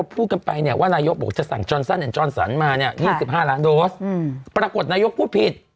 มันไม่ใช่๒เข็มอยู่